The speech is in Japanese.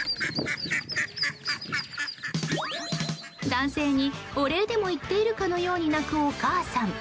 男性にお礼でも言っているかのように鳴くお母さん。